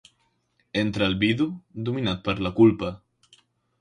Entra el vidu dominat per la culpa.